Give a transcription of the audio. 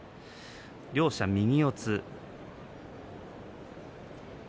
両者右四つ。